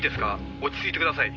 落ち着いてください」